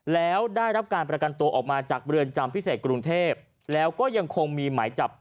แล้วได้รับการประกันตัวออกมาจากเรือนจำพิเศษกรุงเทพแล้วก็ยังคงมีหมายจับ